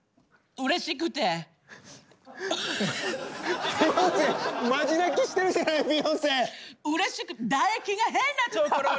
うれしくて唾液が変なところに。